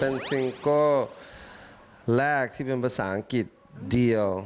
เป็นซิงเกิ้ลแรกที่เป็นภาษาอังกฤษเดียว